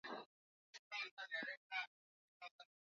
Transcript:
alipewa nafasi katika mashua ya uokoaji